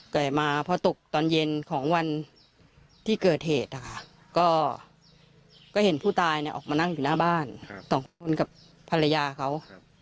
แต่มาพอตกตอนเย็นของวันที่เกิดเหตุนะคะก็เห็นผู้ตายออกมานั่งอยู่หน้าบ้านสองคนกับภรรยาเขา